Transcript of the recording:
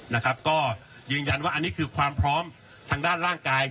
นะครับก็ยืนยันว่าอันนี้คือความพร้อมทางด้านร่างกาย